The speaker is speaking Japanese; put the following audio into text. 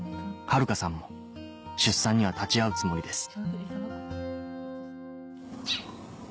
春花さんも出産には立ち会うつもりです